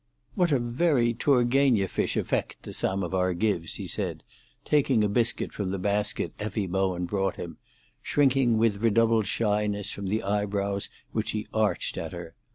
"What a very Tourguéneffish effect the samovar gives!" he said, taking a biscuit from the basket Effie Bowen brought him, shrinking with redoubled shyness from the eyebrows which he arched at her.